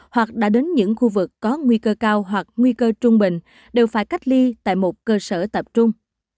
hoặc đã đến những khu vực có nguy cơ cao hoặc nguy cơ trung bình đều phải cách ly tại một cơ sở tập trung